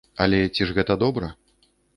Але ці ж гэта добра?